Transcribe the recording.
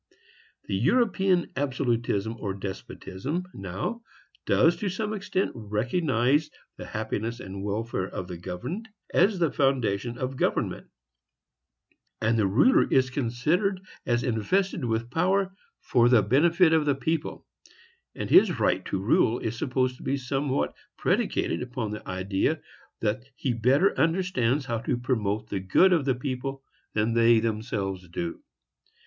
The European absolutism or despotism, now, does, to some extent, recognize the happiness and welfare of the governed as the foundation of government; and the ruler is considered as invested with power for the benefit of the people; and his right to rule is supposed to be somewhat predicated upon the idea that he better understands how to promote the good of the people than they themselves do.